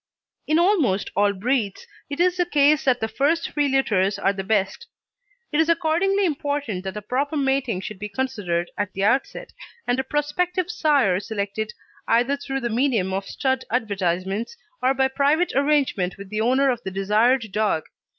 In almost all breeds it is the case that the first three litters are the best. It is accordingly important that a proper mating should be considered at the outset, and a prospective sire selected either through the medium of stud advertisements or by private arrangement with the owner of the desired dog.